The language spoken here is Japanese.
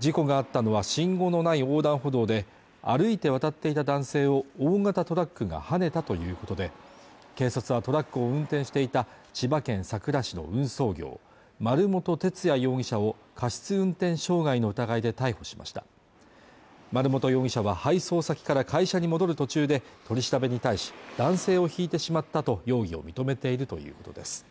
事故があったのは信号のない横断歩道で歩いて渡っていた男性を大型トラックがはねたということで警察はトラックを運転していた千葉県佐倉市の運送業丸本徹也容疑者を過失運転傷害の疑いで逮捕しました丸本容疑者は配送先から会社に戻る途中で取り調べに対し男性をひいてしまったと容疑を認めているということです